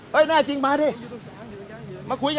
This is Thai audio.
แน่จริงมาดิมาคุยกัน